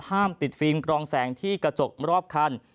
ห้ามติดฟิล์มกรองแสงที่กระจกรอบคัน